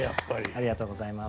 ありがとうございます。